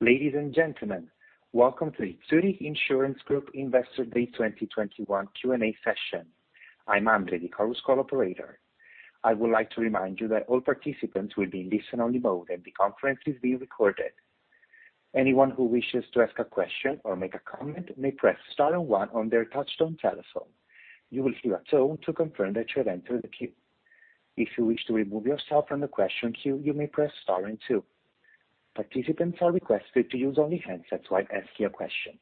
Ladies and gentlemen, welcome to the Zurich Insurance Group Investor Day 2021 Q&A session. I'm Andre, the Chorus Call operator. I would like to remind you that all participants will be in listen-only mode, and the conference is being recorded. Anyone who wishes to ask a question or make a comment may press star and one on their touchtone telephone. You will hear a tone to confirm that you have entered the queue. If you wish to remove yourself from the question queue, you may press star and two. Participants are requested to use only handsets while asking a question.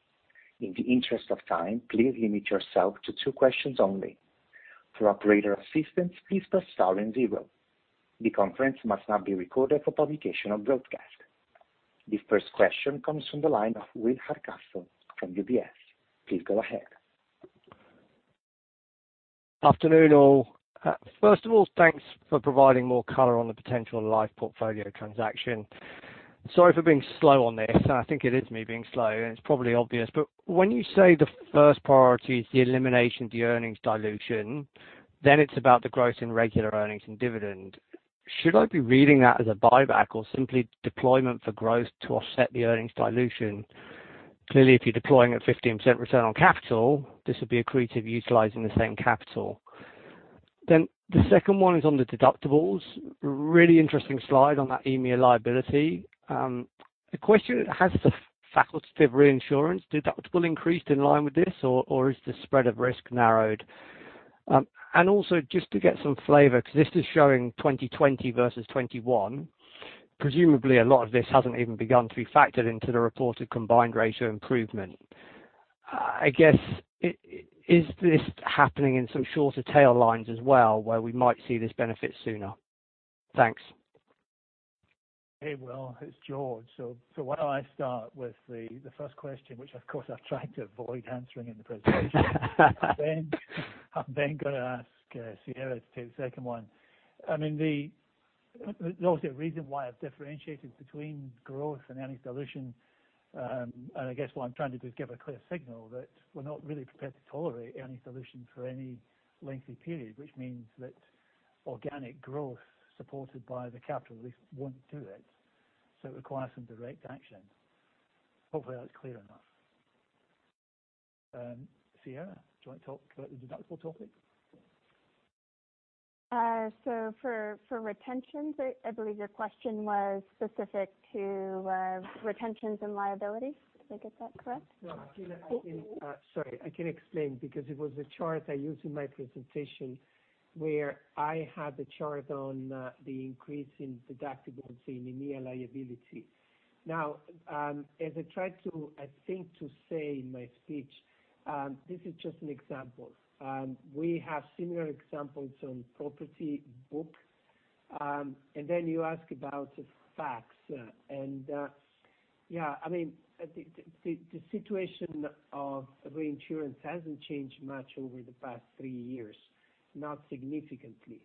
In the interest of time, please limit yourself to two questions only. For operator assistance, please press star and zero. The conference must not be recorded for publication or broadcast. The first question comes from the line of Will Hardcastle from UBS. Please go ahead. Afternoon, all. First of all, thanks for providing more color on the potential life portfolio transaction. Sorry for being slow on this. I think it is me being slow, and it's probably obvious, but when you say the first priority is the elimination of the earnings dilution, then it's about the growth in regular earnings and dividend. Should I be reading that as a buyback or simply deployment for growth to offset the earnings dilution? Clearly, if you're deploying at 15% return on capital, this would be accretive utilizing the same capital. The second one is on the deductibles. Really interesting slide on that EMEA liability. The question, has the facultative reinsurance deductible increased in line with this, or is the spread of risk narrowed? Also just to get some flavor, 'cause this is showing 2020 versus 2021. Presumably a lot of this hasn't even begun to be factored into the reported combined ratio improvement. I guess, is this happening in some shorter tail lines as well, where we might see this benefit sooner? Thanks. Hey, Will, it's George. Why don't I start with the first question, which of course I've tried to avoid answering in the presentation. I'm gonna ask Sierra to take the second one. I mean, the obvious reason why I've differentiated between growth and earnings dilution, and I guess what I'm trying to do is give a clear signal that we're not really prepared to tolerate earnings dilution for any lengthy period, which means that organic growth supported by the capital, at least won't do it. It requires some direct action. Hopefully that's clear enough. Sierra, do you want to talk about the deductible topic? For retentions, I believe your question was specific to retentions and liabilities. Did I get that correct? No, I can explain because it was a chart I used in my presentation, where I had the chart on the increase in deductibles in EMEA liability. Now, as I tried to, I think to say in my speech, this is just an example. We have similar examples on property book. You ask about the FAC. Yeah, I mean, the situation of reinsurance hasn't changed much over the past three years, not significantly.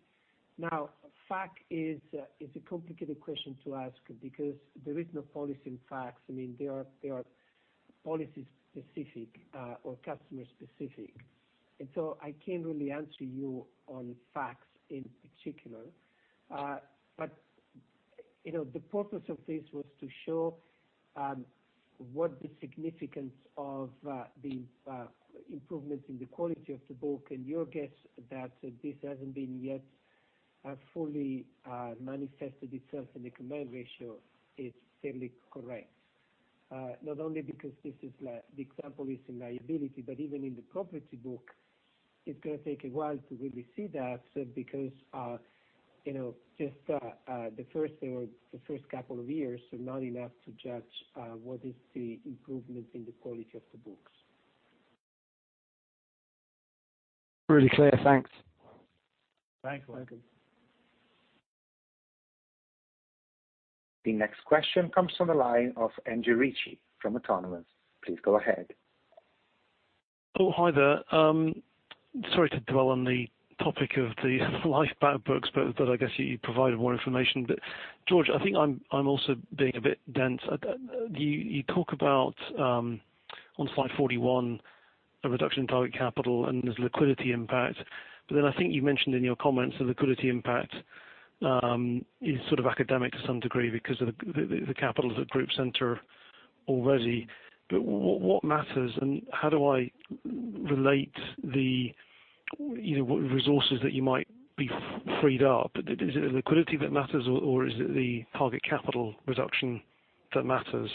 FAC is a complicated question to ask because there is no policy in FAC. I mean, they are policy specific or customer specific. I can't really answer you on FAC in particular. You know, the purpose of this was to show what the significance of the improvements in the quality of the book and your guess that this hasn't been yet fully manifested itself in the combined ratio is fairly correct. Not only because this is like the example is in liability, but even in the property book, it's gonna take a while to really see that because you know, just the first couple of years are not enough to judge what is the improvement in the quality of the books. Really clear. Thanks. Thanks, Will. Welcome. The next question comes from the line of Andrew Ritchie from Autonomous. Please go ahead. Oh, hi there. Sorry to dwell on the topic of the life buybacks, but I guess you provided more information. George, I think I'm also being a bit dense. You talk about on slide 41 a reduction in target capital and there's liquidity impact. I think you mentioned in your comments the liquidity impact is sort of academic to some degree because of the capital is at group center already. What matters and how do I relate the you know resources that you might be freed up? Is it the liquidity that matters or is it the target capital reduction that matters?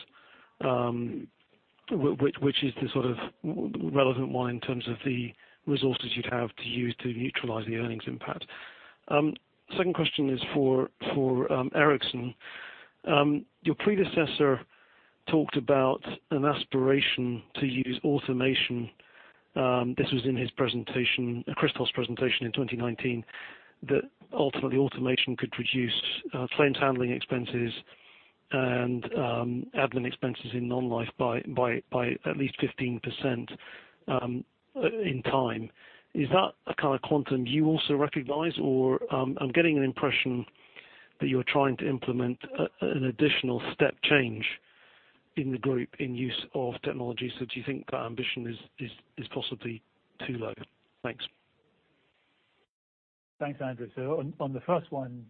Which is the sort of relevant one in terms of the resources you'd have to use to neutralize the earnings impact? Second question is for Ericson. Your predecessor talked about an aspiration to use automation. This was in his presentation, Christophe's presentation in 2019, that ultimately automation could reduce claims handling expenses and admin expenses in non-life by at least 15%, in time. Is that a kind of quantum you also recognize? I'm getting an impression that you're trying to implement an additional step change in the group in use of technology. Do you think that ambition is possibly too low? Thanks. Thanks, Andrew. On the first one,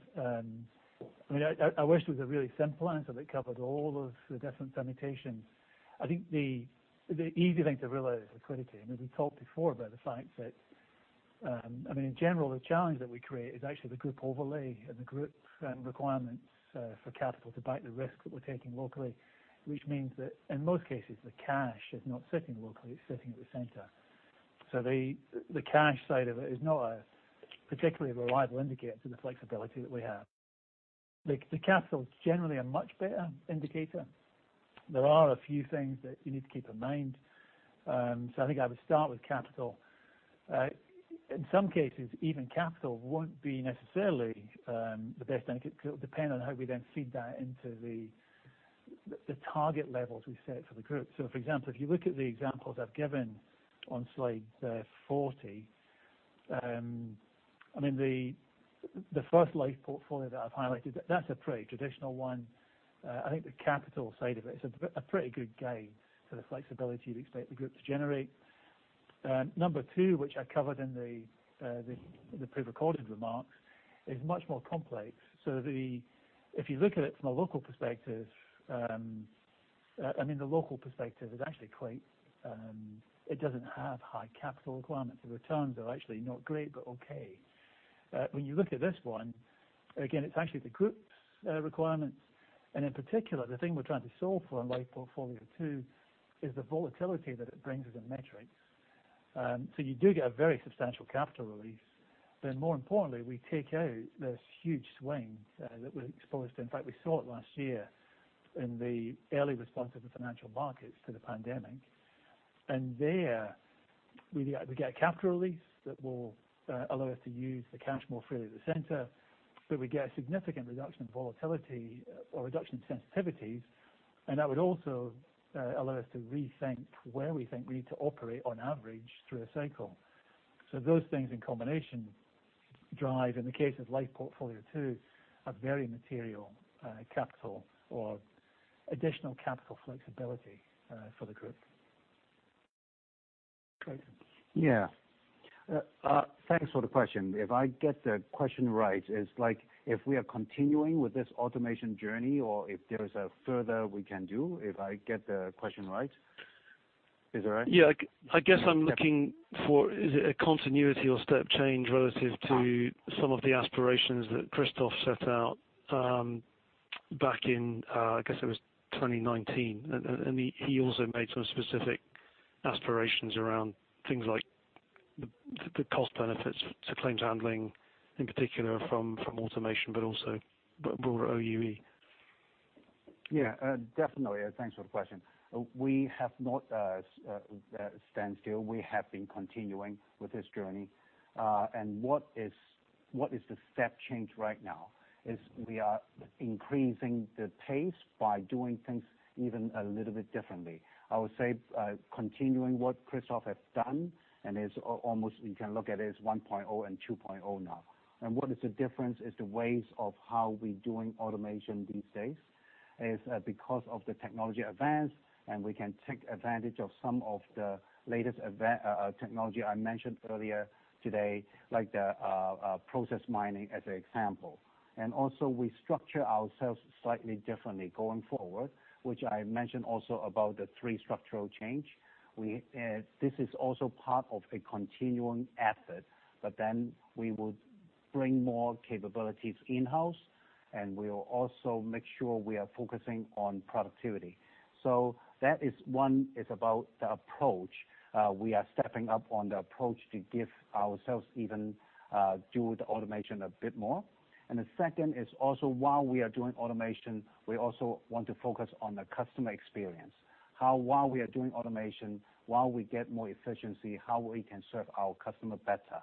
I mean, I wish it was a really simple answer that covered all of the different permutations. I think the easy thing to realize is liquidity. I mean, we talked before about the fact that I mean, in general, the challenge that we create is actually the group overlay and the group requirements for capital to back the risk that we're taking locally. Which means that in most cases, the cash is not sitting locally, it's sitting at the center. The cash side of it is not a particularly reliable indicator to the flexibility that we have. The capital is generally a much better indicator. There are a few things that you need to keep in mind. I think I would start with capital. In some cases, even capital won't be necessarily the best indicator. It'll depend on how we then feed that into the target levels we set for the group. For example, if you look at the examples I've given on slide 40, I mean, the first life portfolio that I've highlighted, that's a pretty traditional one. I think the capital side of it is a pretty good gauge for the flexibility we expect the group to generate. Number two, which I covered in the pre-recorded remarks, is much more complex. If you look at it from a local perspective, I mean, the local perspective is actually quite. It doesn't have high capital requirements. The returns are actually not great, but okay. When you look at this one, again, it's actually the group's requirements. In particular, the thing we're trying to solve for in Life Two is the volatility that it brings as a metric. So you do get a very substantial capital release. More importantly, we take out those huge swings that we're exposed to. In fact, we saw it last year in the early response of the financial markets to the pandemic. There we get a capital release that will allow us to use the cash more freely at the center. We get a significant reduction in volatility or reduction in sensitivities, and that would also allow us to rethink where we think we need to operate on average through a cycle. Those things in combination drive, in the case of Life Two, a very material capital or additional capital flexibility for the group. Great. Yeah. Thanks for the question. If I get the question right, it's like if we are continuing with this automation journey or if there is a further we can do, if I get the question right. Is that right? Yeah. I guess I'm looking for is it a continuity or step change relative to some of the aspirations that Christophe set out, back in, I guess it was 2019. He also made some specific aspirations around things like the cost benefits to claims handling, in particular from automation, but also broader OpEx. Yeah. Definitely. Thanks for the question. We have not been at a standstill. We have been continuing with this journey. What is the step change right now? It is we are increasing the pace by doing things even a little bit differently. I would say, continuing what Christophe has done and it is almost you can look at it as 1.0 and 2.0 now. What is the difference is the ways of how we are doing automation these days is, because of the technological advances, and we can take advantage of some of the latest advances in technology I mentioned earlier today, like the process mining as an example. We structure ourselves slightly differently going forward, which I mentioned also about the three structural changes. This is also part of a continuing effort, but then we will bring more capabilities in-house, and we'll also make sure we are focusing on productivity. That is one is about the approach. We are stepping up on the approach to give ourselves even do the automation a bit more. The second is also, while we are doing automation, we also want to focus on the customer experience, how while we are doing automation, while we get more efficiency, how we can serve our customer better.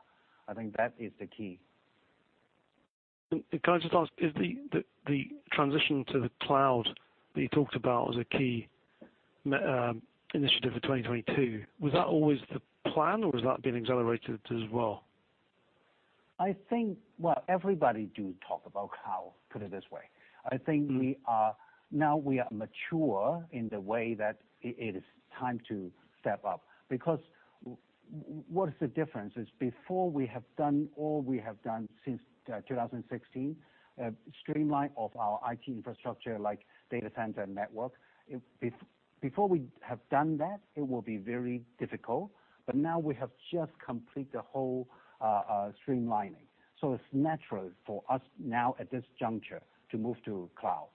I think that is the key. Can I just ask, is the transition to the cloud that you talked about as a key initiative for 2022, was that always the plan or has that been accelerated as well? I think. Well, everybody do talk about cloud. Put it this way, I think we are now mature in the way that it is time to step up. Because what is the difference? It's before we have done all we have done since 2016, streamline of our IT infrastructure like data center network. If before we have done that, it will be very difficult. But now we have just completed the whole streamlining. It's natural for us now at this juncture to move to cloud.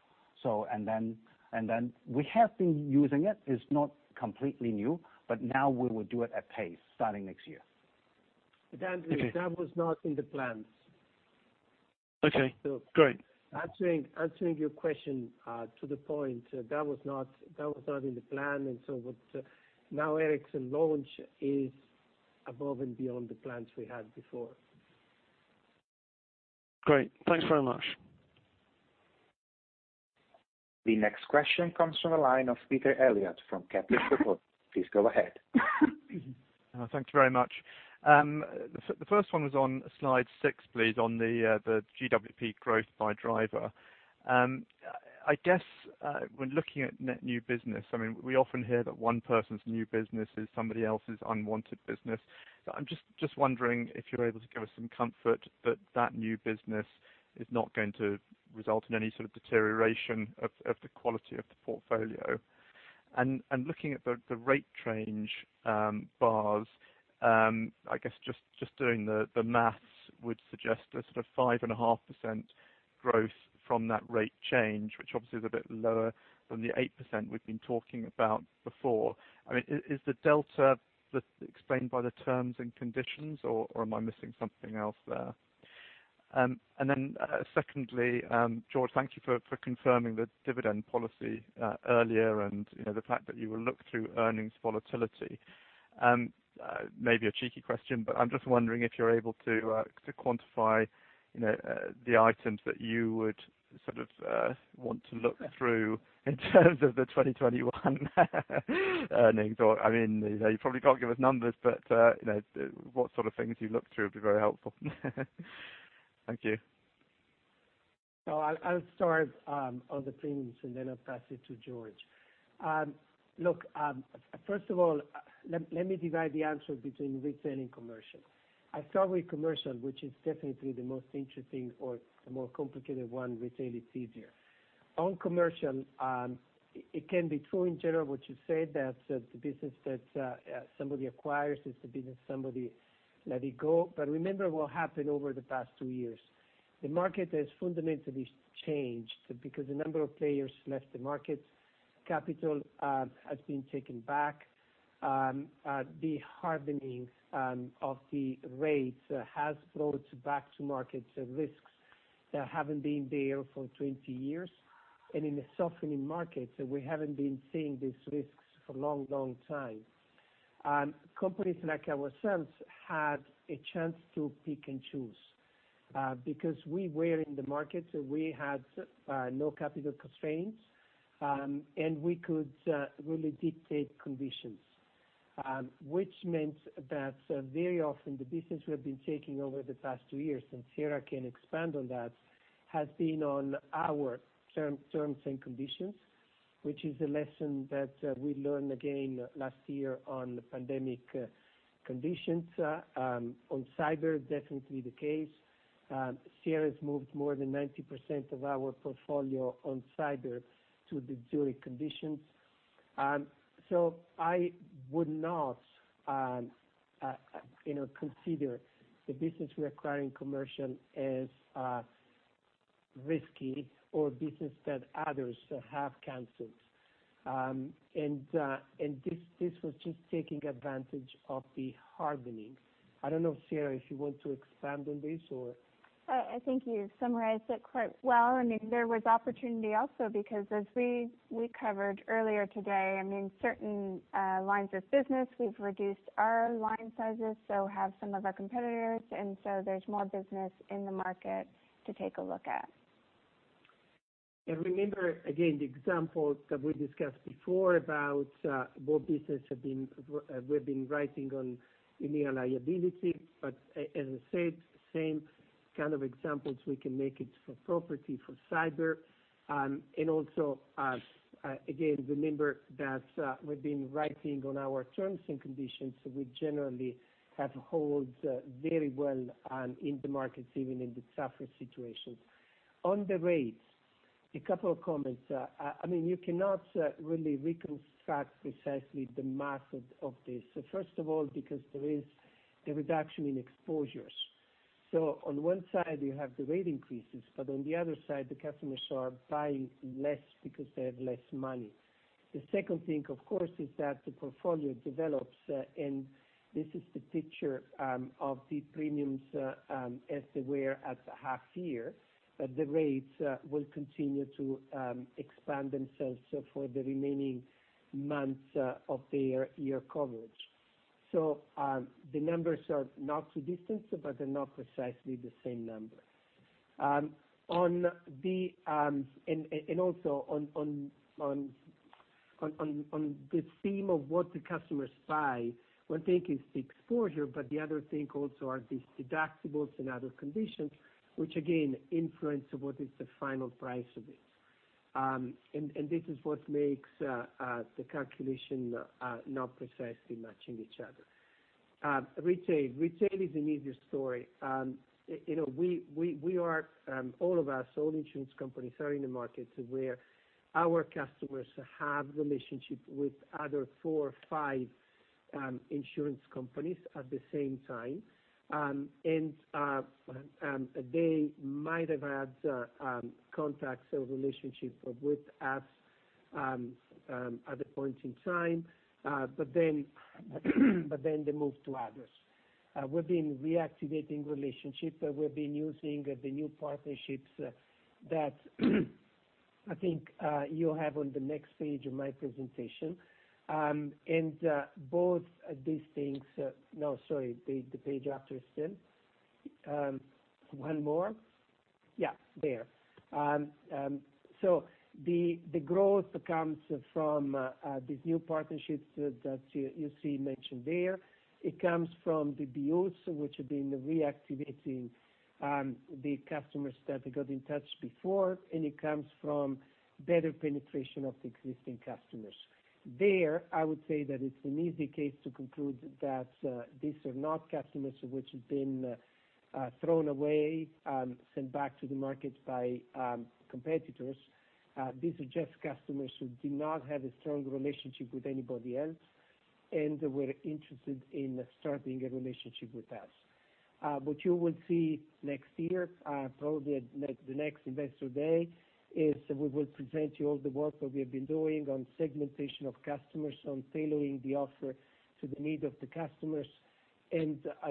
And then we have been using it. It's not completely new, but now we will do it at pace starting next year. Okay. Andrew, that was not in the plans. Okay, great. Answering your question to the point, that was not in the plan. What now Ericson launch is above and beyond the plans we had before. Great. Thanks very much. The next question comes from the line of Peter Eliot from Kepler Cheuvreux. Please go ahead. Thank you very much. The first one was on slide six, please, on the GWP growth by driver. I guess, when looking at net new business, I mean, we often hear that one person's new business is somebody else's unwanted business. I'm just wondering if you're able to give us some comfort that that new business is not going to result in any sort of deterioration of the quality of the portfolio. Looking at the rate range bars, I guess just doing the math would suggest a sort of 5.5% growth from that rate change, which obviously is a bit lower than the 8% we've been talking about before. I mean, is the delta explained by the terms and conditions, or am I missing something else there? Secondly, George, thank you for confirming the dividend policy earlier, and you know, the fact that you will look through earnings volatility. Maybe a cheeky question, but I'm just wondering if you're able to quantify, you know, the items that you would sort of want to look through in terms of the 2021 earnings, or, I mean, you know, you probably can't give us numbers but, you know, what sort of things you look through would be very helpful. Thank you. I'll start on the premiums, and then I'll pass it to George. First of all, let me divide the answer between retail and commercial. I'll start with commercial, which is definitely the most interesting or the more complicated one. Retail it's easier. On commercial, it can be true in general what you say that the business that somebody acquires is the business somebody let it go. Remember what happened over the past two years. The market has fundamentally changed, because a number of players left the market. Capital has been taken back. The hardening of the rates has brought back to markets risks that haven't been there for 20 years. In the softening markets, we haven't been seeing these risks for a long, long time. Companies like ourselves had a chance to pick and choose, because we were in the markets, we had no capital constraints, and we could really dictate conditions. Which meant that very often the business we have been taking over the past two years, and Sierra can expand on that, has been on our terms and conditions, which is a lesson that we learned again last year on pandemic conditions. On cyber, definitely the case. Sierra's moved more than 90% of our portfolio on cyber to the Zurich conditions. So I would not, you know, consider the business we acquire in commercial as risky or business that others have canceled. And this was just taking advantage of the hardening. I don't know, Sierra, if you want to expand on this or. I think you've summarized it quite well. I mean, there was opportunity also because as we covered earlier today, I mean, certain lines of business, we've reduced our line sizes, so have some of our competitors, and so there's more business in the market to take a look at. Remember, again, the example that we discussed before about what business we've been writing on in the liability. As I said, same kind of examples we can make it for property, for cyber. Again, remember that, we've been writing on our terms and conditions. We generally have held very well in the markets, even in the tougher situations. On the rates, a couple of comments. I mean, you cannot really reconstruct precisely the math of this. First of all, because there is the reduction in exposures. On one side you have the rate increases, but on the other side, the customers are buying less because they have less money. The second thing, of course, is that the portfolio develops, and this is the picture of the premiums, as they were at half year, but the rates will continue to expand themselves for the remaining months of their year coverage. The numbers are not too distant, but they're not precisely the same number. On the theme of what the customers buy, one thing is the exposure, but the other thing also are these deductibles and other conditions which again influence what is the final price of it. This is what makes the calculation not precisely matching each other. Retail is an easier story. You know, we are all of us all insurance companies are in the markets where our customers have relationship with other four or five insurance companies at the same time. They might have had contracts or relationship with us at a point in time, but then they move to others. We've been reactivating relationships. We've been using the new partnerships that I think you have on the next page of my presentation. Both these things. The growth comes from these new partnerships that you see mentioned there. It comes from the bills which have been reactivating. The customers that they got in touch before, and it comes from better penetration of the existing customers. There, I would say that it's an easy case to conclude that these are not customers of which have been thrown away, sent back to the market by competitors. These are just customers who do not have a strong relationship with anybody else, and they were interested in starting a relationship with us. What you will see next year, probably at the next Investor Day, is we will present you all the work that we have been doing on segmentation of customers, on tailoring the offer to the needs of the customers.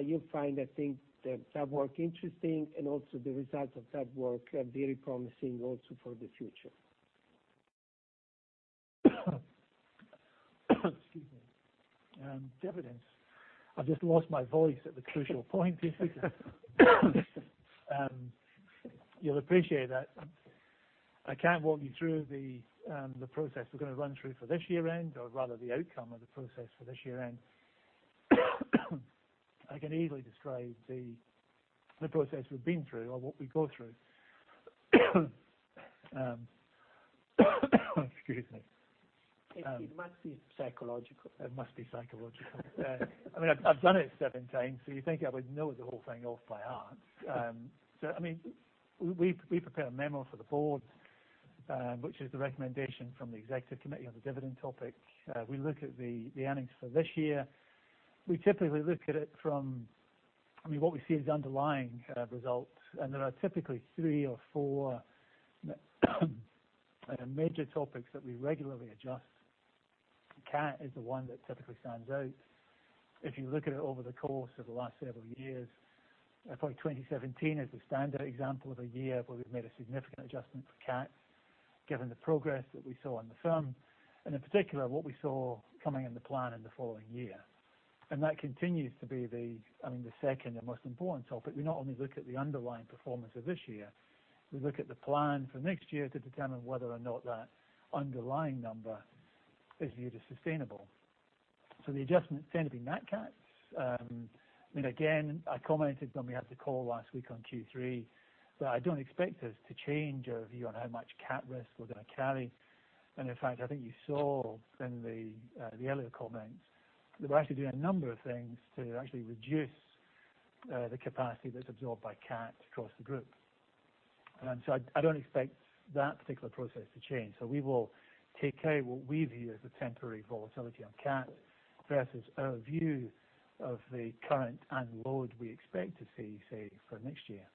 You'll find, I think, that that work interesting and also the results of that work very promising also for the future. Excuse me. Dividends. I've just lost my voice at the crucial point. You'll appreciate that I can't walk you through the process we're going to run through for this year end or rather the outcome of the process for this year end. I can easily describe the process we've been through or what we go through. Excuse me. It must be psychological. It must be psychological. I mean, I've done it 17x, so you think I would know the whole thing off by heart. I mean, we prepare a memo for the board, which is the recommendation from the Executive Committee on the dividend topic. We look at the earnings for this year. We typically look at it from what we see as underlying results, and there are typically three or four major topics that we regularly adjust. CAT is the one that typically stands out. If you look at it over the course of the last several years, I think 2017 is the standard example of a year where we've made a significant adjustment for CAT, given the progress that we saw in the firm, and in particular, what we saw coming in the plan in the following year. That continues to be the, I mean, the second and most important topic. We not only look at the underlying performance of this year, we look at the plan for next year to determine whether or not that underlying number is viewed as sustainable. The adjustments tend to be in that CAT. I mean, again, I commented when we had the call last week on Q3 that I don't expect us to change our view on how much CAT risk we're going to carry. In fact, I think you saw in the, uh, the earlier comments that we're actually doing a number of things to actually reduce, uh, the capacity that's absorbed by CAT across the group. I don't expect that particular process to change. We will take out what we view as the temporary volatility on CAT versus our view of the current attritional load we expect to see, say, for next year.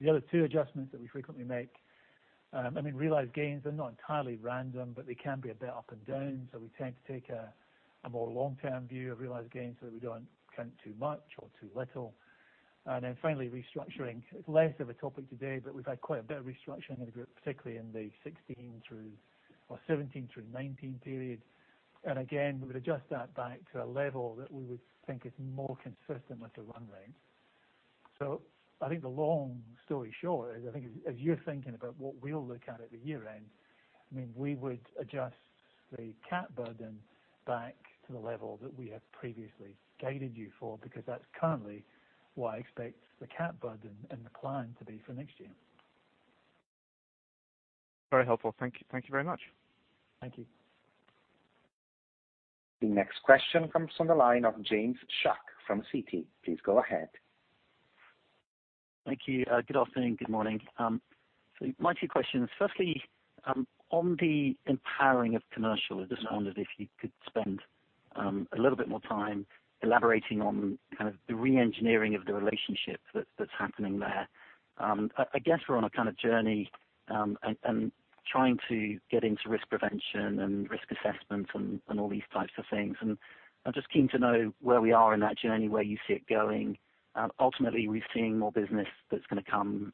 The other two adjustments that we frequently make, I mean, realized gains are not entirely random, but they can be a bit up and down. We tend to take a more long-term view of realized gains so that we don't claim too much or too little. Then finally, restructuring. It's less of a topic today, but we've had quite a bit of restructuring in the group, particularly in the 2017 through 2019 period. Again, we would adjust that back to a level that we would think is more consistent with the run rate. I think the long story short is, I think as you're thinking about what we'll look at at the year end, I mean, we would adjust the CAT burden back to the level that we have previously guided you for, because that's currently what I expect the CAT burden and the plan to be for next year. Very helpful. Thank you very much. Thank you. The next question comes from the line of James Shuck from Citi. Please go ahead. Thank you. Good afternoon, good morning. So my two questions. Firstly, on the empowering of commercial, I just wondered if you could spend a little bit more time elaborating on kind of the re-engineering of the relationship that's happening there. I guess we're on a kind of journey, and trying to get into risk prevention and risk assessment and all these types of things. I'm just keen to know where we are in that journey, where you see it going. Ultimately, are we seeing more business that's gonna come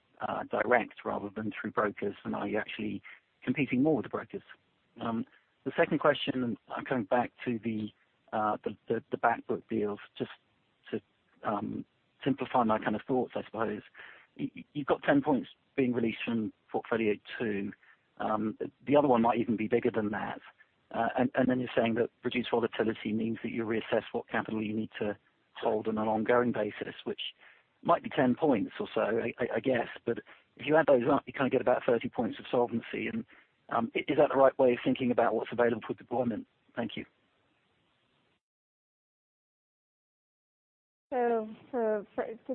direct rather than through brokers, and are you actually competing more with the brokers? The second question, I'm coming back to the back book deals, just to simplify my kind of thoughts, I suppose. You've got 10 points being released from portfolio two. The other one might even be bigger than that. And then you're saying that reduced volatility means that you reassess what capital you need to hold on an ongoing basis, which might be 10 points or so, I guess. If you add those up, you kind of get about 30 points of solvency. Is that the right way of thinking about what's available for deployment? Thank you. To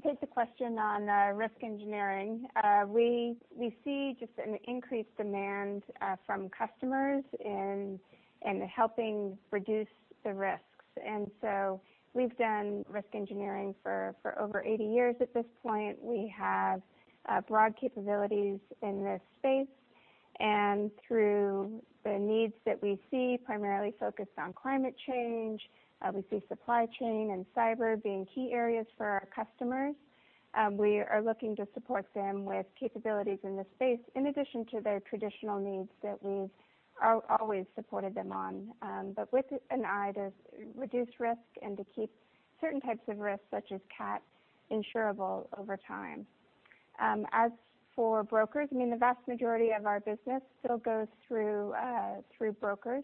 take the question on risk engineering, we see just an increased demand from customers in helping reduce the risks. We've done risk engineering for over 80 years at this point. We have broad capabilities in this space. Through the needs that we see primarily focused on climate change, we see supply chain and cyber being key areas for our customers. We are looking to support them with capabilities in this space in addition to their traditional needs that we've always supported them on. But with an eye to reduce risk and to keep certain types of risks, such as CAT, insurable over time. As for brokers, I mean, the vast majority of our business still goes through brokers.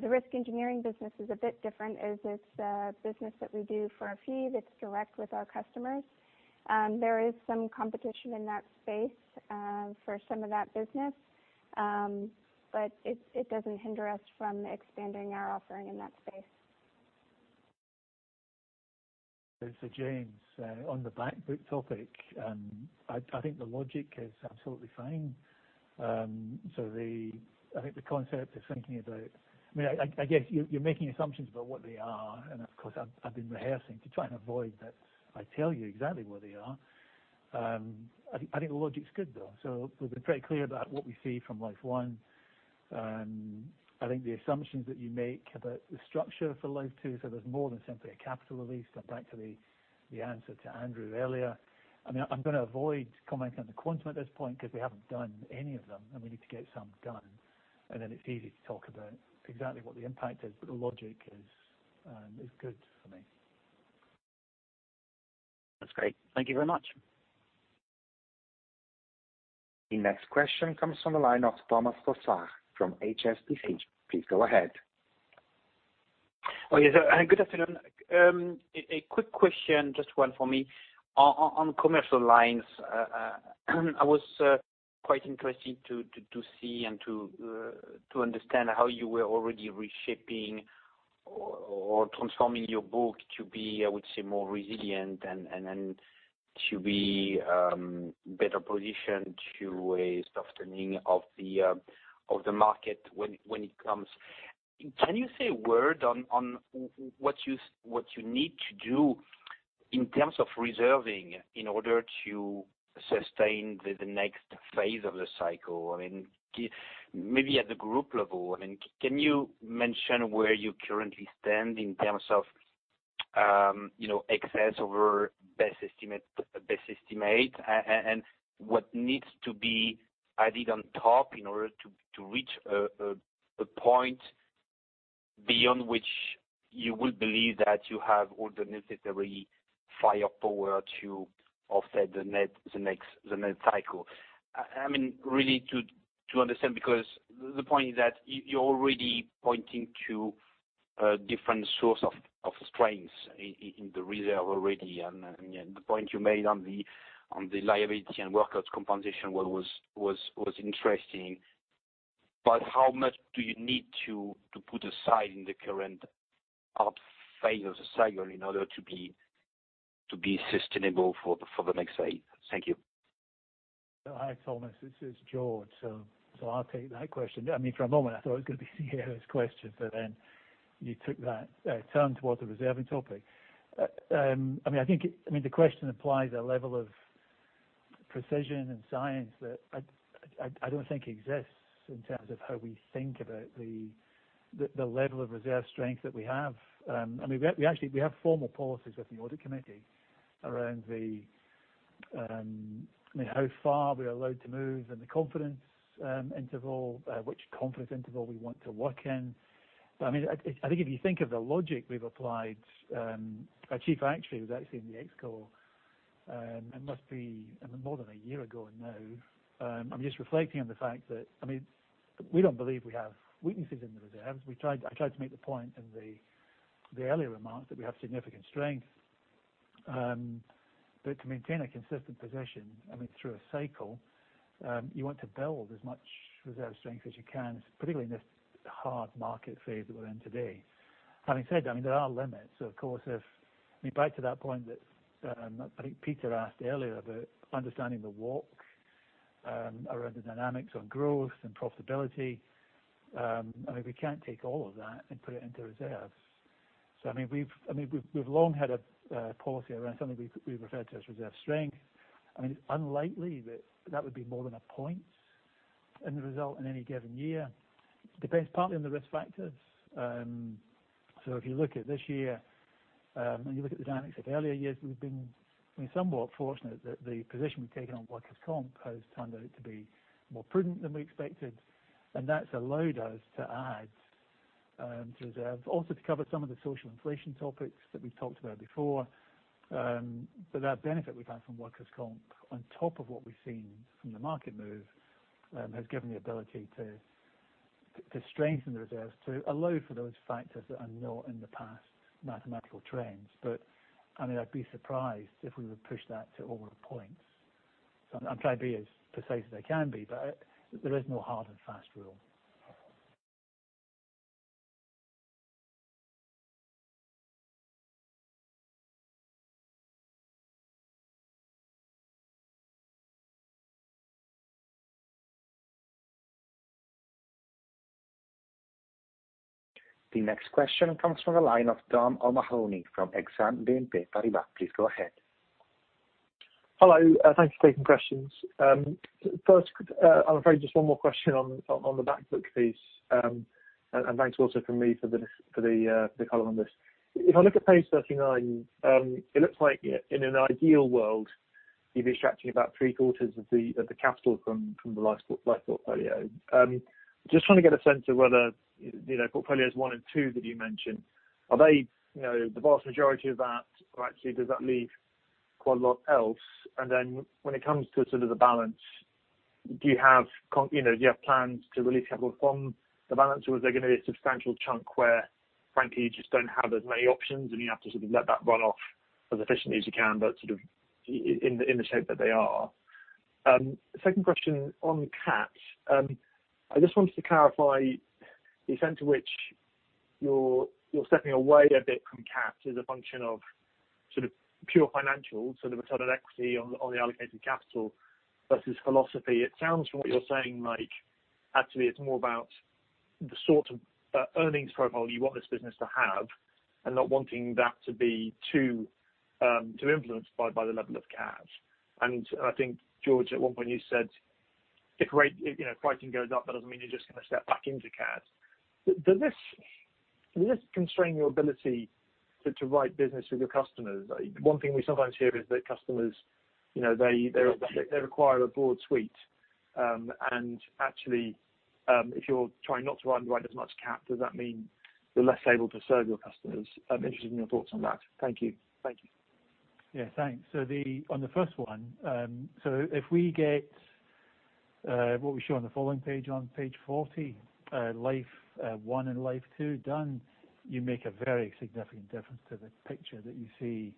The risk engineering business is a bit different, as it's a business that we do for a fee that's direct with our customers. There is some competition in that space for some of that business. It doesn't hinder us from expanding our offering in that space. James, on the back book topic, I think the logic is absolutely fine. I think the concept. I mean, I guess you're making assumptions about what they are. Of course, I've been rehearsing to try and avoid that I tell you exactly what they are. I think the logic's good though. We've been pretty clear about what we see from Life One. I think the assumptions that you make about the structure for Life Two, there's more than simply a capital release. Back to the answer to Andrew earlier. I mean, I'm gonna avoid commenting on the quantum at this point because we haven't done any of them, and we need to get some done, and then it's easy to talk about exactly what the impact is the logic is good for me. That's great. Thank you very much. The next question comes from the line of Thomas Fossard from HSBC. Please go ahead. Oh, yes. Good afternoon. A quick question, just one for me. On commercial lines, I was quite interested to see and to understand how you were already reshaping or transforming your book to be, I would say, more resilient and to be better positioned to a softening of the market when it comes. Can you say a word on what you need to do in terms of reserving in order to sustain the next phase of the cycle? I mean, maybe at the group level, I mean, can you mention where you currently stand in terms of, you know, excess over best estimate and what needs to be added on top in order to reach a point beyond which you would believe that you have all the necessary firepower to offset the next net cycle? I mean, really to understand, because the point is that you're already pointing to a different source of strains in the reserve already. I mean, the point you made on the liability and workers' compensation was interesting, but how much do you need to put aside in the current up phase of the cycle in order to be sustainable for the next phase? Thank you. Hi, Thomas. This is George. I'll take that question. I mean, for a moment, I thought it was gonna be Sierra's question, but then you took that turn towards the reserving topic. I mean, the question applies a level of precision and science that I don't think exists in terms of how we think about the level of reserve strength that we have. I mean, we actually have formal policies with the audit committee around how far we are allowed to move and the confidence interval which confidence interval we want to work in. I mean, I think if you think of the logic we've applied, our chief actuary was actually in the ExCo. It must be more than a year ago now. I'm just reflecting on the fact that, I mean, we don't believe we have weaknesses in the reserves. I tried to make the point in the earlier remarks that we have significant strength. To maintain a consistent position, I mean, through a cycle, you want to build as much reserve strength as you can, particularly in this hard market phase that we're in today. Having said, I mean, there are limits. Of course, I mean, back to that point that, I think Peter asked earlier about understanding the walk around the dynamics on growth and profitability, I mean, we can't take all of that and put it into reserves. I mean, we've long had a policy around something we've referred to as reserve strength. I mean, it's unlikely that that would be more than a point in the result in any given year. Depends partly on the risk factors. If you look at this year, and you look at the dynamics of earlier years, we've been, I mean, somewhat fortunate that the position we've taken on workers' comp has turned out to be more prudent than we expected. That's allowed us to add to reserves, also to cover some of the social inflation topics that we've talked about before. That benefit we've had from workers' comp on top of what we've seen from the market move has given the ability to strengthen the reserves, to allow for those factors that are not in the past mathematical trends. I mean, I'd be surprised if we would push that to over a point. I'm trying to be as precise as I can be, but there is no hard and fast rule. The next question comes from the line of Dominic O'Mahony from BNP Paribas Exane. Please go ahead. Hello. Thank you for taking questions. First, I'm afraid just one more question on the back book piece. Thanks also from me for the color on this. If I look at page 39, it looks like in an ideal world, you'd be extracting about three quarters of the capital from the life portfolio. I just want to get a sense of whether, you know, portfolios one and two that you mentioned, are they, you know, the vast majority of that, or actually does that leave quite a lot else? When it comes to sort of the balance. Do you have plans to release capital from the balance, or is there gonna be a substantial chunk where frankly, you just don't have as many options, and you have to sort of let that run off as efficiently as you can, but sort of in the shape that they are? Second question on CAT. I just wanted to clarify the extent to which you're stepping away a bit from CAT as a function of sort of pure financials. The return on equity on the allocated capital versus philosophy. It sounds from what you're saying, like actually it's more about the sort of earnings profile you want this business to have and not wanting that to be too influenced by the level of CAT. I think George, at one point you said if rates, you know, pricing goes up, that doesn't mean you're just gonna step back into CAT. Does this constrain your ability to write business with your customers? One thing we sometimes hear is that customers, you know, they require a broad suite. Actually, if you are trying not to underwrite as much CAT, does that mean you're less able to serve your customers? I'm interested in your thoughts on that. Thank you. Yeah, thanks. On the first one, if we get what we show on the following page on page 40, Life One and Life Two done, you make a very significant difference to the picture that you see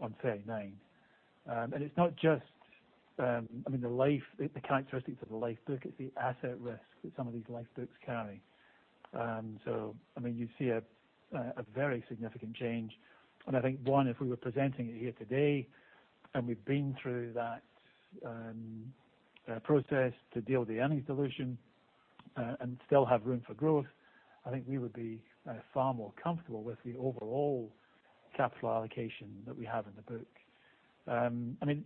on 39. It's not just, I mean the characteristics of the life book, it's the asset risk that some of these life books carry. I mean, you see a very significant change. I think if we were presenting it here today, and we've been through that process to deal with the earnings dilution, and still have room for growth, I think we would be far more comfortable with the overall capital allocation that we have in the book. I mean,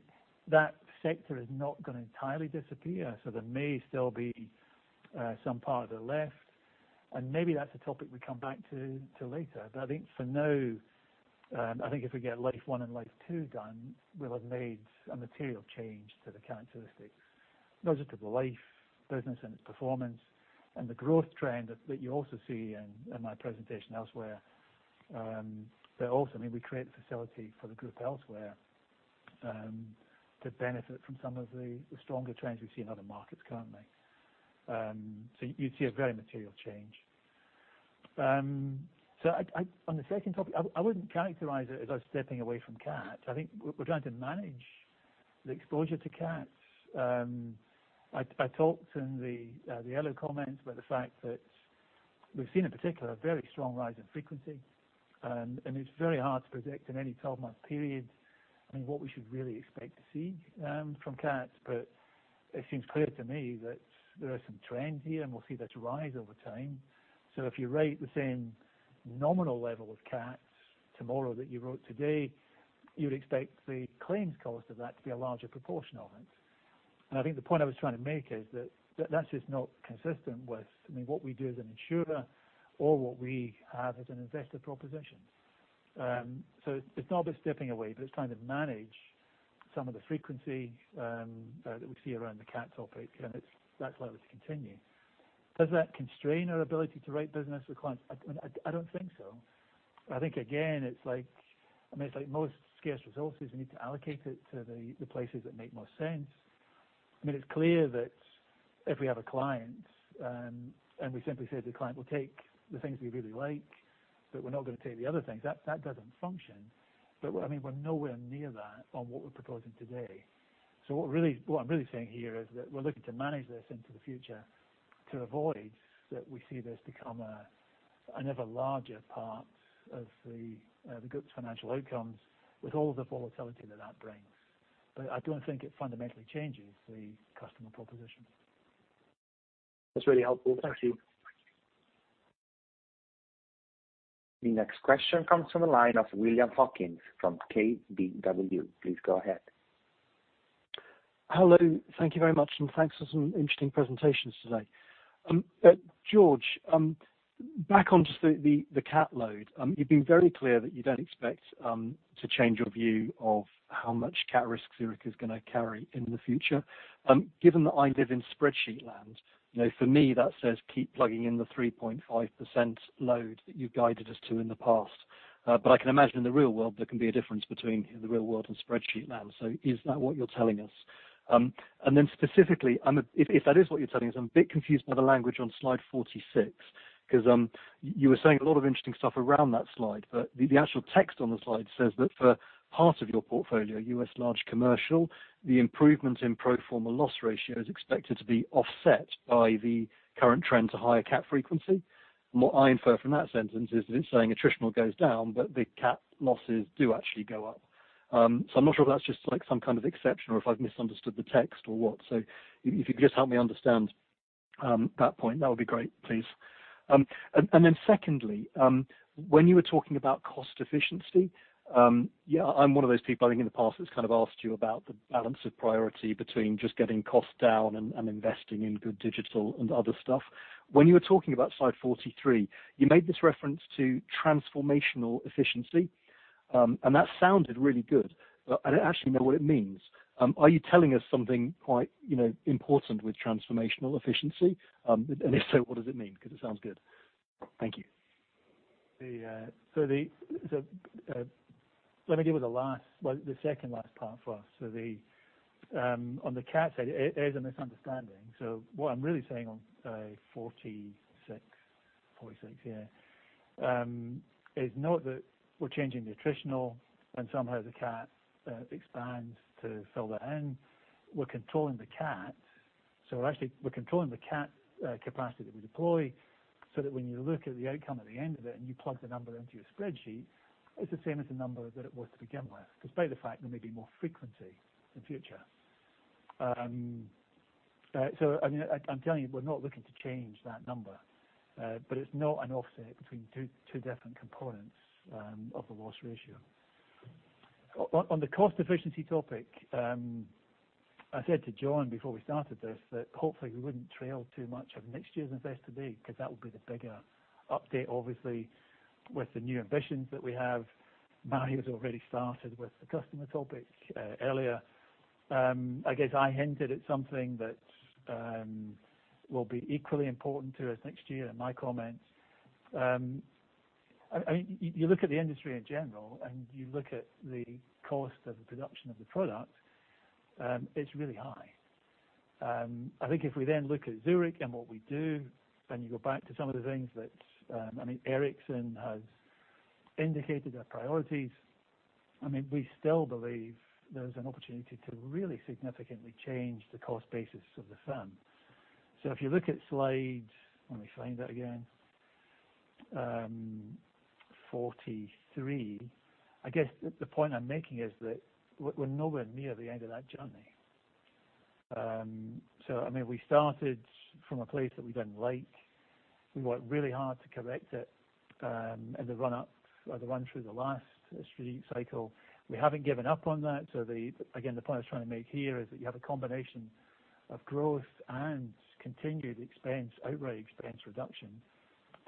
that sector is not gonna entirely disappear, so there may still be some part of it left, and maybe that's a topic we come back to later. I think for now, I think if we get Life One and Life Two done, we'll have made a material change to the characteristics, not just of the life business and its performance and the growth trend that you also see in my presentation elsewhere, but also, I mean, we create the facility for the group elsewhere to benefit from some of the stronger trends we see in other markets currently. You'd see a very material change. On the second topic, I wouldn't characterize it as us stepping away from CAT. I think we're trying to manage the exposure to CAT. I talked in the yellow comments about the fact that we've seen in particular a very strong rise in frequency, and it's very hard to predict in any twelve-month period, I mean, what we should really expect to see from CAT. It seems clear to me that there are some trends here, and we'll see this rise over time. If you write the same nominal level of CAT tomorrow that you wrote today, you would expect the claims cost of that to be a larger proportion of it. I think the point I was trying to make is that that's just not consistent with, I mean, what we do as an insurer or what we have as an investor proposition. It's not about stepping away, but it's trying to manage some of the frequency that we see around the CAT topic, and that's likely to continue. Does that constrain our ability to write business with clients? I don't think so. I think again, it's like, I mean, it's like most scarce resources, we need to allocate it to the places that make most sense. I mean, it's clear that if we have a client, and we simply say to the client, "We'll take the things we really like, but we're not gonna take the other things," that doesn't function. I mean, we're nowhere near that on what we're proposing today. What I'm really saying here is that we're looking to manage this into the future to avoid that we see this become an ever larger part of the group's financial outcomes with all of the volatility that brings. I don't think it fundamentally changes the customer proposition. That's really helpful. Thank you. The next question comes from the line of William Hawkins from KBW. Please go ahead. Hello. Thank you very much, and thanks for some interesting presentations today. George, back onto the CAT load. You've been very clear that you don't expect to change your view of how much CAT risk Zurich is gonna carry in the future. Given that I live in spreadsheet land, you know, for me that says keep plugging in the 3.5% load that you've guided us to in the past. I can imagine in the real world there can be a difference between the real world and spreadsheet land. Is that what you're telling us? Specifically, if that is what you're telling us, I'm a bit confused by the language on slide 46. 'Cause you were saying a lot of interesting stuff around that slide, but the actual text on the slide says that for part of your portfolio, U.S. large commercial, the improvement in pro forma loss ratio is expected to be offset by the current trend to higher cat frequency. What I infer from that sentence is that it's saying attritional goes down, but the cat losses do actually go up. I'm not sure if that's just like some kind of exception or if I've misunderstood the text or what. If you could just help me understand that point, that would be great, please. Secondly, when you were talking about cost efficiency, I'm one of those people I think in the past that's kind of asked you about the balance of priority between just getting costs down and investing in good digital and other stuff. When you were talking about slide 43, you made this reference to transformational efficiency, and that sounded really good, but I don't actually know what it means. Are you telling us something quite, you know, important with transformational efficiency? And if so, what does it mean? 'Cause it sounds good. Thank you. Let me deal with the last, well, the second last part first. On the cat side, it is a misunderstanding. What I'm really saying on 46 is not that we're changing the attritional and somehow the cat expands to fill that in. We're controlling the cat capacity that we deploy, so that when you look at the outcome at the end of it, and you plug the number into your spreadsheet, it's the same as the number that it was to begin with. Despite the fact there may be more frequency in future. I mean, I'm telling you, we're not looking to change that number. But it's not an offset between two different components of the loss ratio. On the cost efficiency topic, I said to John before we started this, that hopefully we wouldn't trail too much of next year's Investor Day, 'cause that would be the bigger update, obviously, with the new ambitions that we have. Mario's already started with the customer topic earlier. I guess I hinted at something that will be equally important to us next year in my comments. I mean, you look at the industry in general, and you look at the cost of the production of the product, it's really high. I think if we then look at Zurich and what we do, and you go back to some of the things that I mean, Ericson has indicated are priorities. I mean, we still believe there's an opportunity to really significantly change the cost basis of the firm. If you look at slide 43. I guess the point I'm making is that we're nowhere near the end of that journey. I mean, we started from a place that we didn't like. We worked really hard to correct it, in the run-up or the run through the last strategic cycle. We haven't given up on that. Again, the point I was trying to make here is that you have a combination of growth and continued expense, outright expense reduction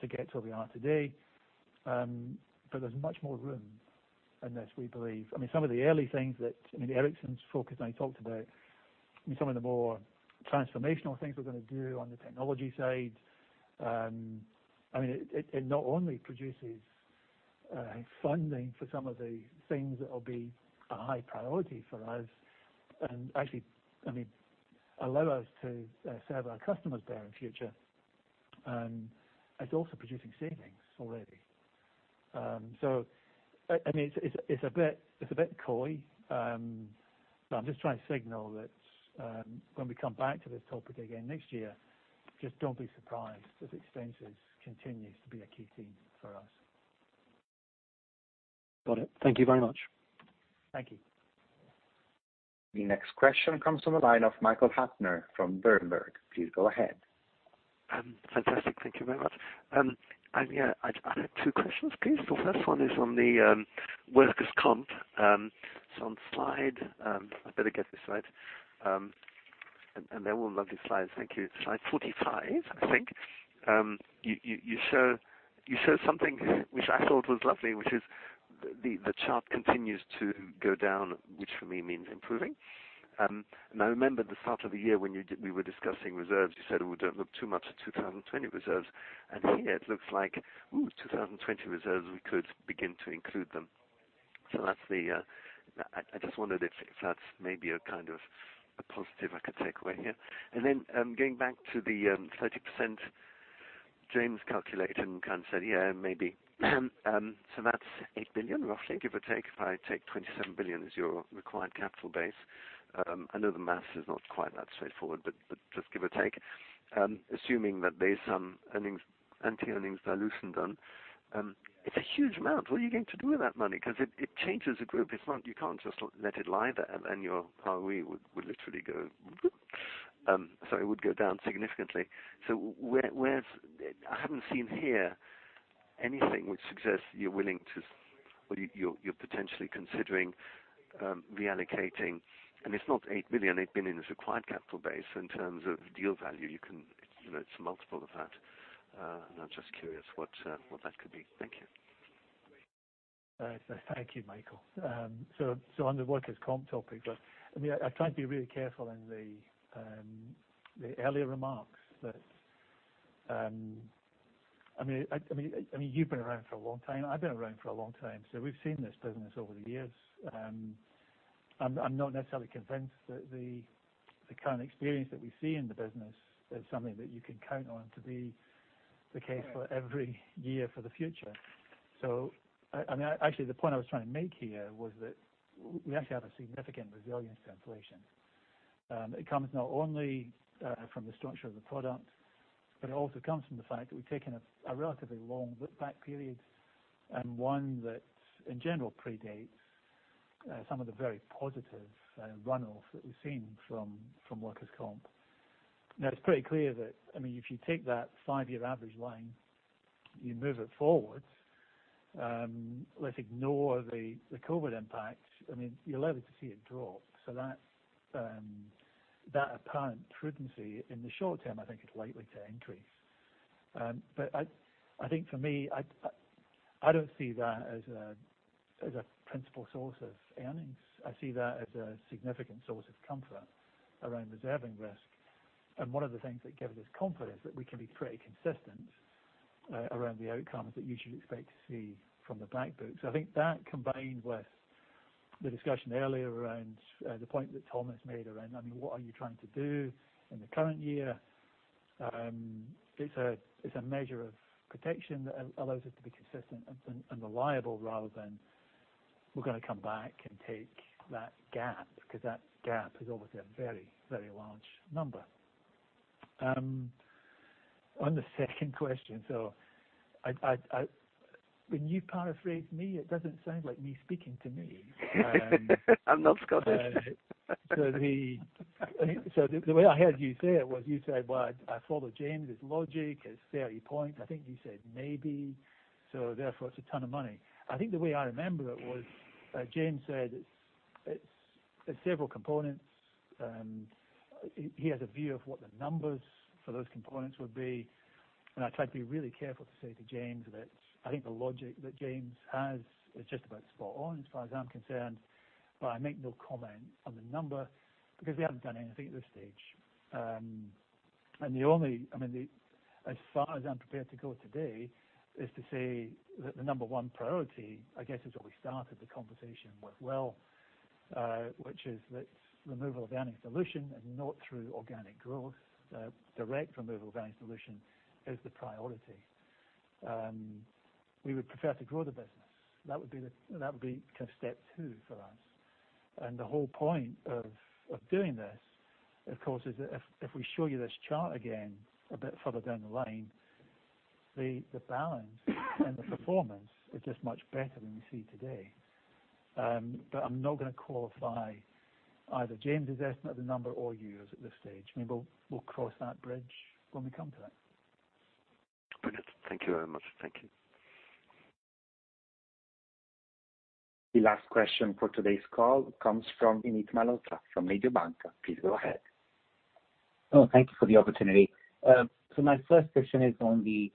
to get to where we are today. But there's much more room in this, we believe. I mean, some of the early things that I mean, Ericson's focus, and he talked about some of the more transformational things we're gonna do on the technology side. I mean, it not only produces funding for some of the things that will be a high priority for us, and actually, I mean, allow us to serve our customers better in future. It's also producing savings already. I mean, it's a bit coy. I'm just trying to signal that, when we come back to this topic again next year, just don't be surprised if expenses continues to be a key theme for us. Got it. Thank you very much. Thank you. The next question comes from the line of Michael Huttner from Berenberg. Please go ahead. Fantastic. Thank you very much. Yeah, I have two questions, please. The first one is on the workers' comp. It's on slide 45, I think. They're all lovely slides. Thank you. You show something which I thought was lovely, which is the chart continues to go down, which for me means improving. I remember the start of the year when we were discussing reserves. You said we don't look too much at 2020 reserves. Here it looks like, oh, 2020 reserves, we could begin to include them. That's the. I just wondered if that's maybe a kind of a positive I could take away here. Going back to the 30% James calculated and kind of said, "Yeah, maybe." That's 8 billion roughly, give or take. If I take 27 billion as your required capital base. I know the math is not quite that straightforward, but just give or take. Assuming that there's some earnings and earnings dilution done, it's a huge amount. What are you going to do with that money? 'Cause it changes the group. It's not. You can't just let it lie there, and your ROE would literally go. It would go down significantly. Where's. I haven't seen here anything which suggests you're willing to or you're potentially considering reallocating. It's not 8 billion. 8 billion is a required capital base. In terms of deal value, you know, it's multiple of that. I'm just curious what that could be. Thank you. Thank you, Michael. So on the workers' comp topic. I mean, I tried to be really careful in the earlier remarks. I mean, you've been around for a long time. I've been around for a long time, so we've seen this business over the years. I'm not necessarily convinced that the kind of experience that we see in the business is something that you can count on to be the case for every year for the future. I mean, actually, the point I was trying to make here was that we actually have a significant resilience to inflation. It comes not only from the structure of the product, but it also comes from the fact that we've taken a relatively long look-back period, and one that in general predates some of the very positive runoffs that we've seen from workers' comp. Now, it's pretty clear that, I mean, if you take that five-year average line, you move it forward, let's ignore the COVID impact. I mean, you're likely to see it drop. That apparent prudency in the short term, I think it's likely to increase. I don't see that as a principal source of earnings. I see that as a significant source of comfort around reserving risk. One of the things that gives us confidence that we can be pretty consistent around the outcomes that you should expect to see from the back book. I think that combined with the discussion earlier around the point that Thomas made around, I mean, what are you trying to do in the current year? It's a measure of protection that allows us to be consistent and reliable rather than we're gonna come back and take that gap, because that gap is obviously a very, very large number. On the second question, I When you paraphrase me, it doesn't sound like me speaking to me. I'm not Scottish. The way I heard you say it was you said, "Well, I follow James. His logic is 30 point." I think you said, "Maybe." Therefore, it's a ton of money. I think the way I remember it was, James said it's several components, and he has a view of what the numbers for those components would be. I tried to be really careful to say to James that I think the logic that James has is just about spot on as far as I'm concerned, but I make no comment on the number because we haven't done anything at this stage. I mean, as far as I'm prepared to go today is to say that the number one priority, I guess, is what we started the conversation with well, which is that removal of earnings dilution and not through organic growth. Direct removal of earnings dilution is the priority. We would prefer to grow the business. That would be kind of step two for us. The whole point of doing this, of course, is if we show you this chart again a bit further down the line, the balance and the performance are just much better than we see today. But I'm not gonna qualify either James' estimate of the number or yours at this stage. Maybe we'll cross that bridge when we come to that. Brilliant. Thank you very much. Thank you. The last question for today's call comes from Vinit Malhotra from Mediobanca. Please go ahead. Oh, thank you for the opportunity. My first question is on the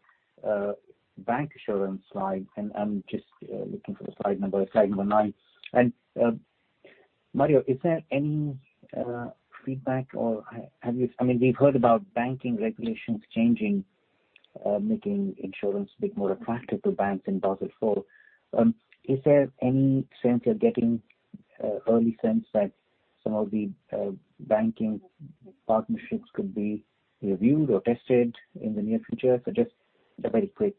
bancassurance slide, and I'm just looking for the slide number, slide nine. Mario, is there any feedback, I mean, we've heard about banking regulations changing, making insurance a bit more attractive to banks in Basel IV. Is there any sense you're getting, early sense that some of the banking partnerships could be reviewed or tested in the near future? Just a very quick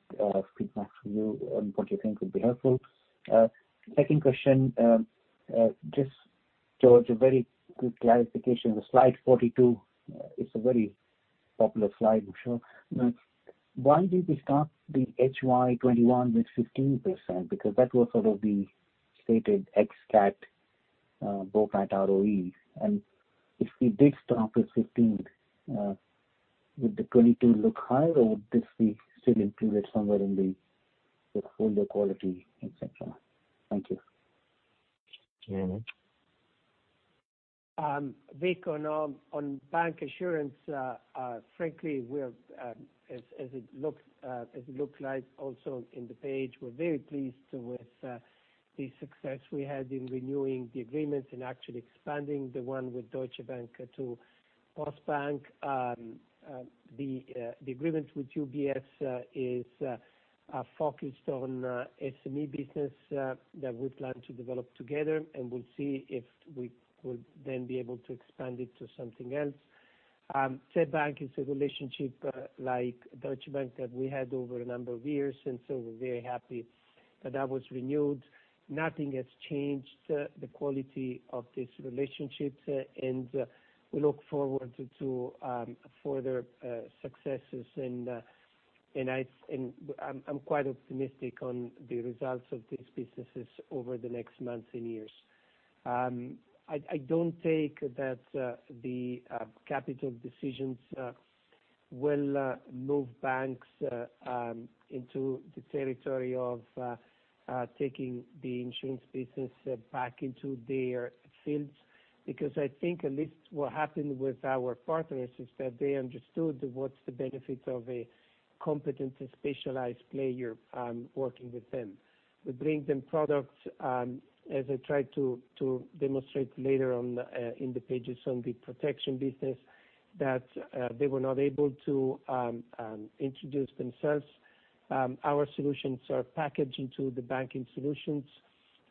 feedback from you on what you think would be helpful. Second question, just towards a very quick clarification. The slide 42, it's a very popular slide, I'm sure. Why did we start the HY 2021 with 15%? Because that was sort of the stated ex-CAT both at ROE. If we did start with 15, would the 22 look higher, or would this be still included somewhere in the shareholder quality, et cetera? Thank you. On bancassurance, frankly, as it looks like also in the page, we're very pleased with the success we had in renewing the agreements and actually expanding the one with Deutsche Bank to Postbank. The agreement with UBS is focused on SME business that we plan to develop together, and we'll see if we could then be able to expand it to something else. Sidian Bank is a relationship like Deutsche Bank that we had over a number of years, and we're very happy that was renewed. Nothing has changed the quality of this relationship, and we look forward to further successes. I'm quite optimistic on the results of these businesses over the next months and years. I don't think that the capital decisions will move banks into the territory of taking the insurance business back into their fields, because I think at least what happened with our partners is that they understood what's the benefit of a competent and specialized player working with them. We bring them products as I tried to demonstrate later on in the pages on the protection business that they were not able to introduce themselves. Our solutions are packaged into the banking solutions.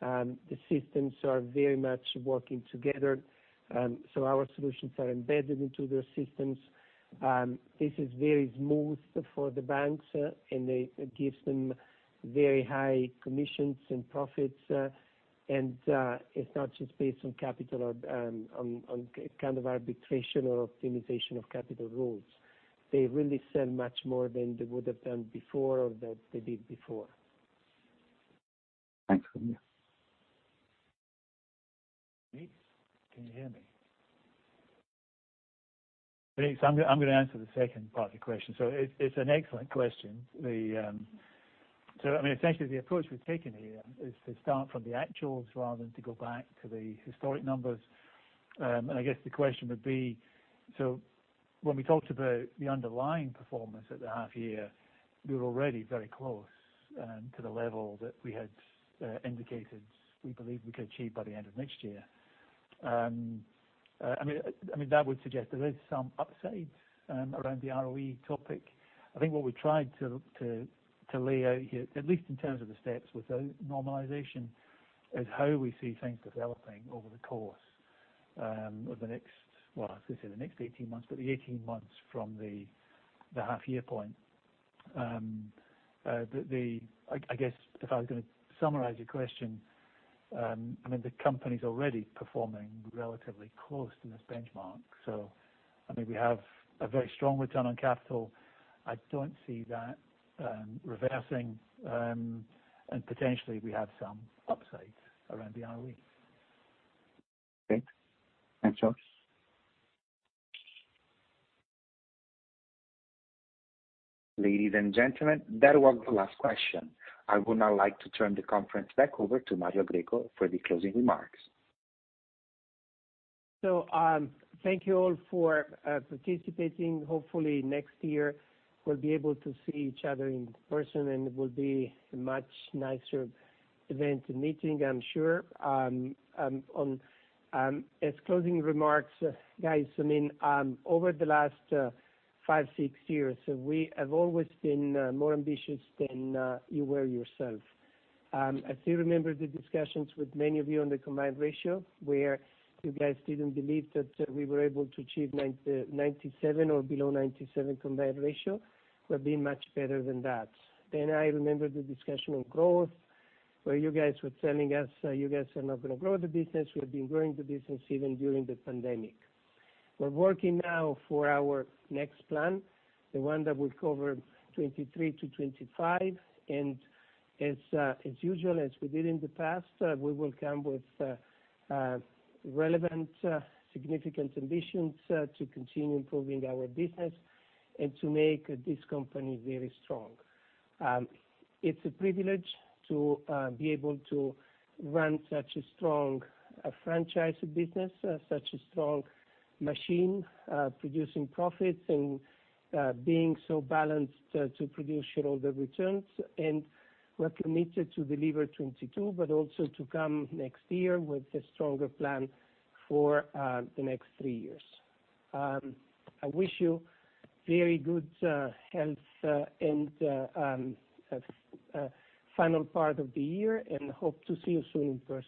The systems are very much working together. Our solutions are embedded into their systems. This is very smooth for the banks. It gives them very high commissions and profits. It's not just based on capital or on kind of arbitrage or optimization of capital rules. They really sell much more than they would have done before or that they did before. Thanks, Mario. Vinit. Can you hear me? Vinit, I'm gonna answer the second part of the question. It's an excellent question. I mean, essentially the approach we've taken here is to start from the actuals rather than to go back to the historic numbers. I guess the question would be, when we talked about the underlying performance at the half year, we were already very close to the level that we had indicated we believe we could achieve by the end of next year. I mean, that would suggest there is some upside around the ROE topic. I think what we tried to lay out here, at least in terms of the steps without normalization, is how we see things developing over the course over the next... well, I was gonna say the next 18 months, but the 18 months from the half year point. I guess if I was gonna summarize your question, I mean, the company's already performing relatively close to this benchmark. I think we have a very strong return on capital. I don't see that reversing, and potentially we have some upside around the ROE. Great. Thanks, George. Ladies and gentlemen, that was the last question. I would now like to turn the conference back over to Mario Greco for the closing remarks. Thank you all for participating. Hopefully next year we'll be able to see each other in person, and it will be a much nicer event and meeting, I'm sure. As closing remarks, guys, I mean, over the last five, six years, we have always been more ambitious than you were yourself. I still remember the discussions with many of you on the combined ratio, where you guys didn't believe that we were able to achieve 97 or below 97 combined ratio. We've been much better than that. I remember the discussion on growth, where you guys were telling us you guys are not gonna grow the business. We have been growing the business even during the pandemic. We're working now for our next plan, the one that will cover 2023 to 2025. As usual, as we did in the past, we will come with relevant significant ambitions to continue improving our business and to make this company very strong. It's a privilege to be able to run such a strong franchise business, such a strong machine producing profits and being so balanced to produce shareholder returns. We're committed to deliver 2022, but also to come next year with a stronger plan for the next three years. I wish you very good health and final part of the year, and hope to see you soon in person.